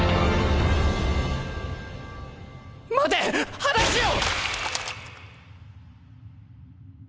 待て‼話を！